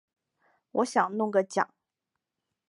我想弄个奖